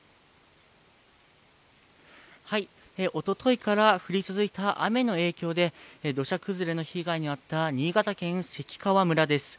おとといから降り続いた雨の影響で、土砂崩れの被害に遭った新潟県関川村です。